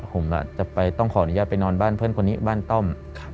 ผมจะไปต้องขออนุญาตไปนอนบ้านเพื่อนคนนี้บ้านต้อม